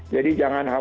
jadi jangan khawatir